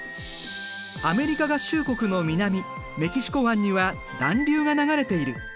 アメリカ合衆国の南メキシコ湾には暖流が流れている。